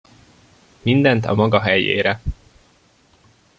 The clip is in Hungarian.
Mindent a maga helyére!